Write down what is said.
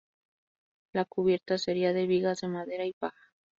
La cubierta sería de vigas de madera y paja.